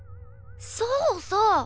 そうそう！